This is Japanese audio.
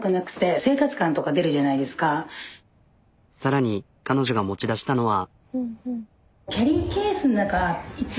更に彼女が持ち出したのは。